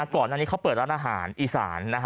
ก่อนอันนี้เขาเปิดร้านอาหารอีสาน